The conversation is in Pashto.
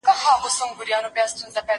هر يوه يې افسانې بيانولې